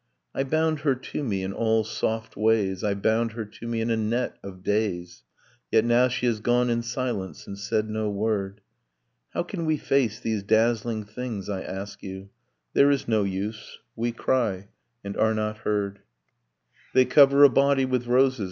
'I bound her to me in all soft ways, I bound her to me in a net of days, Yet now she has gone in silence and said no word. How can we face these dazzling things, I ask you? There is no use: we cry: and are not heard. 'They cover a body with roses